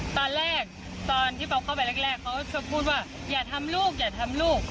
ตอนแรกตอนที่ป๊อปเข้าไปแรกแรกเขาจะพูดว่าอย่าทำลูกอย่าทำลูก